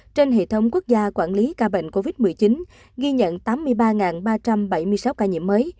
trên hệ thống quốc gia quản lý ca bệnh covid một mươi chín ghi nhận tám mươi ba ba trăm bảy mươi sáu ca nhiễm mới